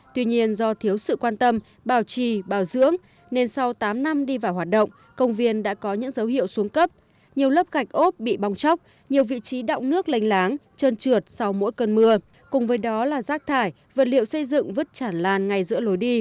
tuy nhiên do thiếu sự quan tâm bảo trì bảo dưỡng nên sau tám năm đi vào hoạt động công viên đã có những dấu hiệu xuống cấp nhiều lớp gạch ốp bị bong chóc nhiều vị trí đọng nước lenh láng trơn trượt sau mỗi cơn mưa cùng với đó là rác thải vật liệu xây dựng vứt chản lan ngay giữa lối đi